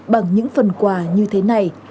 bằng những phần quà như thế này